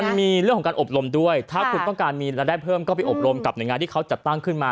มันมีเรื่องของการอบรมด้วยถ้าคุณต้องการมีรายได้เพิ่มก็ไปอบรมกับหน่วยงานที่เขาจัดตั้งขึ้นมา